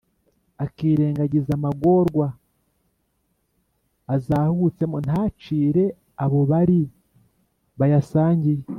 akirengagiza amagorwa azahutsemo ntacire abo bari bayasangiye